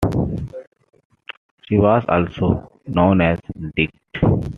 She was also known as Dicte.